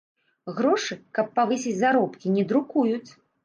Грошы, каб павысіць заробкі, не друкуюць.